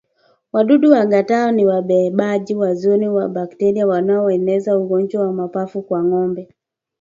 Wadudu wangatao ni wabebaji wazuri wa bakteria wanaoeneza ugonjwa wa mapafu kwa ngombe